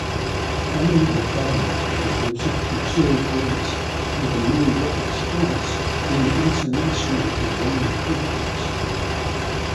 Henry Lavelle presented Futura's works under Mo' Wax Arts in an international design conference.